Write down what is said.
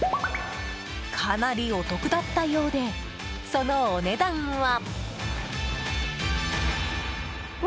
かなりお得だったようでそのお値段は。